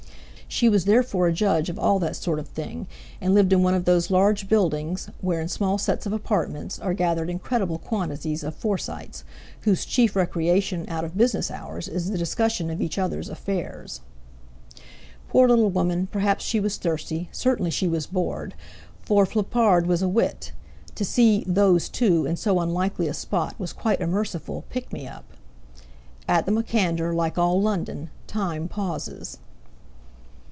She was therefore a judge of all that sort of thing, and lived in one of those large buildings, where in small sets of apartments, are gathered incredible quantities of Forsytes, whose chief recreation out of business hours is the discussion of each other's affairs. Poor little woman, perhaps she was thirsty, certainly she was bored, for Flippard was a wit. To see "those two" in so unlikely a spot was quite a merciful "pick me up." At the MacAnder, like all London, Time pauses.